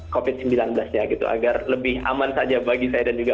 covid sembilan belas ya gitu agar lebih aman saja bagi saya dan juga